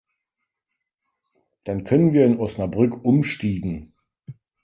Dann können wir in Osnabrück umstiegen